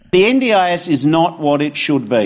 pemerintah ndis tidak memiliki penyakit yang berbeda